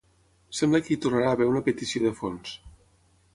Sembla que hi tornarà a haver una petició de fons.